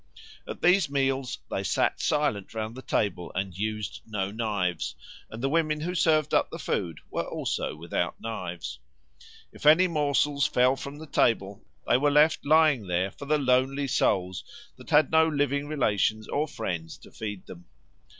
At these meals they sat silent round the table and used no knives and the women who served up the food were also without knives. If any morsels fell from the table they were left lying there for the lonely souls that had no living relations or friends to feed them.